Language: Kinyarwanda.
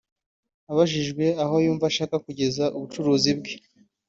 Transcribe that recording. Abajijwe aho yumva ashaka kugeza ubucuruzi bwe